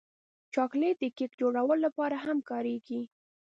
چاکلېټ د کیک جوړولو لپاره هم کارېږي.